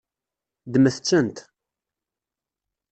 Ddmet-tent.